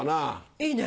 いいね。